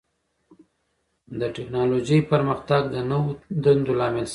د ټکنالوجۍ پرمختګ د نوو دندو لامل شوی دی.